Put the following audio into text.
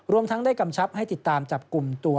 ทั้งได้กำชับให้ติดตามจับกลุ่มตัว